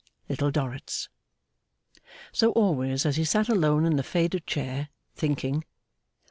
Little Dorrit's.' So always as he sat alone in the faded chair, thinking.